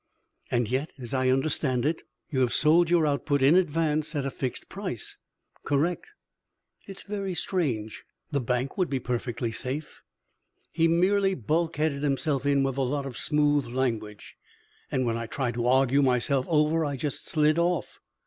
"And yet, as I understand it, you have sold your output in advance, at a fixed price." "Correct." "It is very strange! The bank would be perfectly safe." "He merely bulkheaded himself in with a lot of smooth language, and when I tried to argue myself over I just slid off.